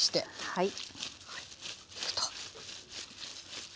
はい。